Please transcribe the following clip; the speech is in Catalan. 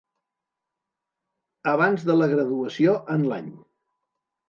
Abans de la graduació en l'any.